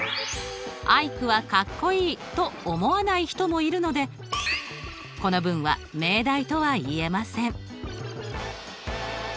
「アイクはかっこいい」と思わない人もいるのでこの文は命題とは言えません。